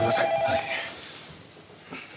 はい。